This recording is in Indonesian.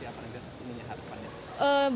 perolehannya nanti apa rekaan